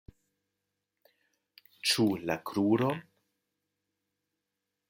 Ĉu la kruron?